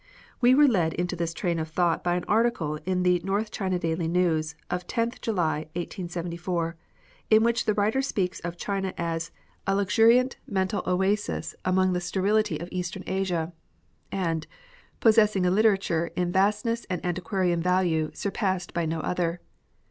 We were led into this train of thought by an article in the North China Daily News of 10th July 1874, in which the writer speaks of China as " a luxuriant 2 6 LITERATURE. mental oasis amidst the sterility of Eastern Asia," and " possessing a literature in vastness and antiquarian value surpassed by no other."